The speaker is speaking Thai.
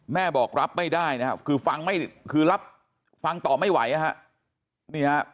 แม่บอกรับไม่ได้นะครับคือฟังตอบไม่ไหวนะครับ